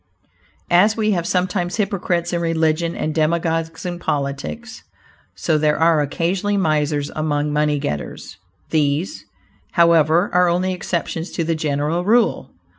As we have sometimes hypocrites in religion, and demagogues in politics, so there are occasionally misers among money getters. These, however, are only exceptions to the general rule.